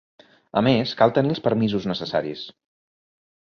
A més, cal tenir els permisos necessaris.